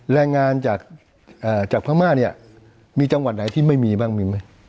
แรงงานจากพม่าเนี่ยมีจังหวัดไหนที่ไม่มีบ้างมีไหม